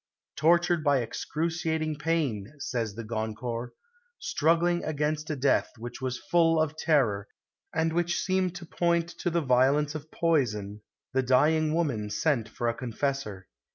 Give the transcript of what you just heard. "Tortured by excruciating pain," says de Goncourt, "struggling against a death which was full of terror, and which seemed to point to the violence of poison, the dying woman sent for a confessor.